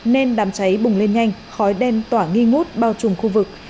nên đám cháy bùng lên nhanh khói đen tỏa nghi ngút bao trùm khu vực